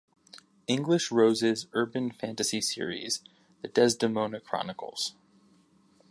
English-Rose's urban fantasy series, The Desdemona Chronicles.